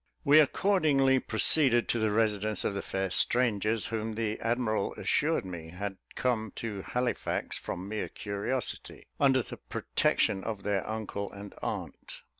We accordingly proceeded to the residence of the fair strangers, whom the admiral assured me had come to Halifax from mere curiosity, under the protection of their uncle and aunt.